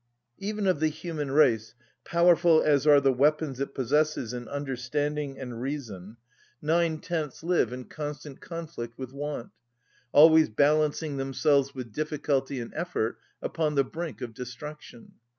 Even of the human race, powerful as are the weapons it possesses in understanding and reason, nine‐tenths live in constant conflict with want, always balancing themselves with difficulty and effort upon the brink of destruction.